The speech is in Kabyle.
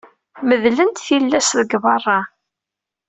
Medlent tillas deg beṛṛa.